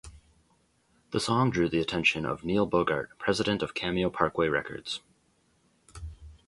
The song drew the attention of Neil Bogart, president of Cameo-Parkway Records.